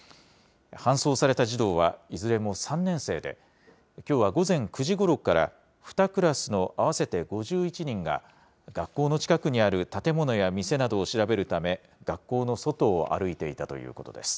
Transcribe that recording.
搬送された児童は、いずれも３年生で、きょうは午前９時ごろから、２クラスの合わせて５１人が、学校の近くにある建物や店などを調べるため、学校の外を歩いていたということです。